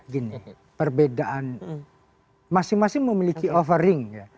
gini perbedaan masing masing memiliki offering ya